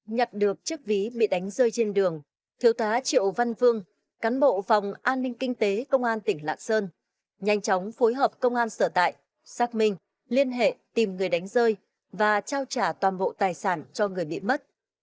nhặt được chiếc ví bị đánh rơi trên đường thiếu tá triệu văn vương cán bộ phòng an ninh kinh tế công an tỉnh lạng sơn nhanh chóng phối hợp công an sở tại xác minh liên hệ tìm người đánh rơi và trao trả toàn bộ tài sản cho người bị mất